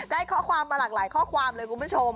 ได้ข้อความมาหลากหลายข้อความเลยคุณผู้ชม